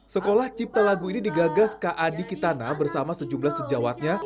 sekolah cipta lagu ini digagas ka di kitana bersama sejumlah sejawatnya